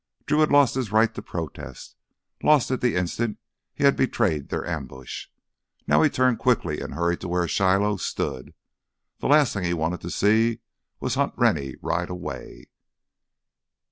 Drew had lost his right to protest, lost it the instant he had betrayed their ambush. Now he turned quickly and hurried to where Shiloh stood. The last thing he wanted to see was Hunt Rennie ride away.